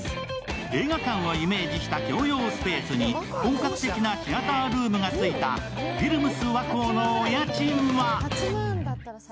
映画館をイメージした共用スペースに本格的なシアタールームがついたフィルムス和光のお家賃は。